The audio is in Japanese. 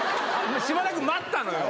しばらく待ったのよ。